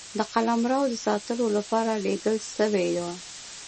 د قلمرو د ساتلو لپاره لېږل سوي وه.